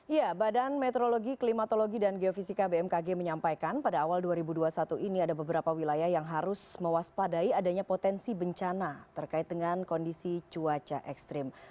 ya badan meteorologi klimatologi dan geofisika bmkg menyampaikan pada awal dua ribu dua puluh satu ini ada beberapa wilayah yang harus mewaspadai adanya potensi bencana terkait dengan kondisi cuaca ekstrim